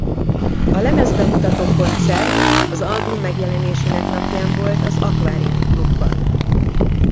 A lemezbemutató koncert az album megjelenésének napján volt az Akvárium Klubban.